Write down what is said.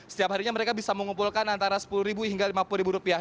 setiap harinya mereka bisa mengumpulkan antara sepuluh hingga lima puluh ribu rupiah